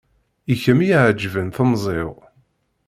I kem i iɛegben temẓi-w.